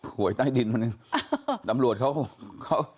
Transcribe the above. หวยใต้ดินวะนึงตำรวจเขา